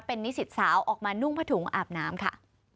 เป็นนิสิตสาวออกมานุ่งผ้าถุงอาบน้ำค่ะ